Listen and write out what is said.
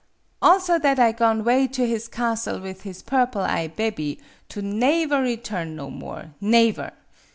Also, that I go'n' away to his castle with his purple eye' bebby, to naever return no more naever.